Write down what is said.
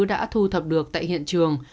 đã thu thập được tại hiện trường